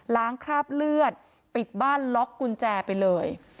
คราบเลือดปิดบ้านล็อกกุญแจไปเลย